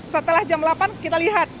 setelah jam delapan kita lihat